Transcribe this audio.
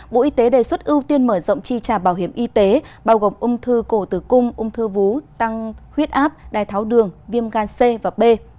bộ y tế đề xuất ưu tiên mở rộng chi trả bảo hiểm y tế bao gồm ung thư cổ tử cung ung thư vú tăng huyết áp đai tháo đường viêm gan c và b